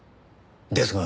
ですが。